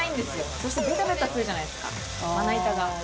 そしてべたべたするじゃないですか、まな板。